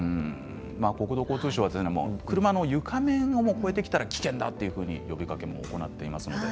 国土交通省でも車の床面を超えてきたら危険だと呼びかけを行っています。